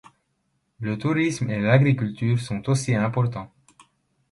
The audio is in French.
Le tourisme et l'agriculture sont aussi importants.